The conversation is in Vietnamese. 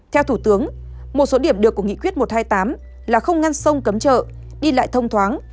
theo thủ tướng một số điểm được của nghị quyết một trăm hai mươi tám là không ngăn sông cấm chợ đi lại thông thoáng